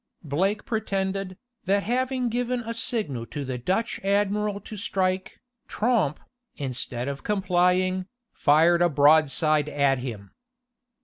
Blake pretended, that having given a signal to the Dutch admiral to strike, Tromp, instead of complying, fired a broadside at him.